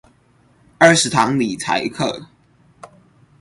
二十堂理財課